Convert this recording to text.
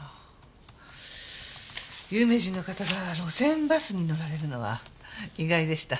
有名人の方が路線バスに乗られるのは意外でした。